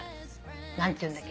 何て言うんだっけね。